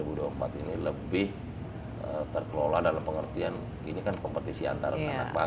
dan bahwa kontestasi pemilu dua ribu dua puluh empat ini lebih terkelola dalam pengertian ini kan kompetisi antar anak bangsa